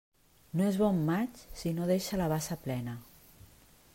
No és bon maig si no deixa la bassa plena.